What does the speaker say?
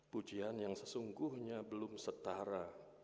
pujian yang sesungguhnya belum setara